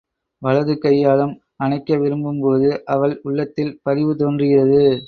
வலது கையாலும் அணைக்க விரும்பும்போது அவள் உள்ளத்தில் பரிவு தோன்றுகிறது.